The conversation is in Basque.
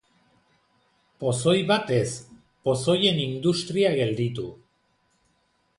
Pozoi bat ez, pozoien industria gelditu.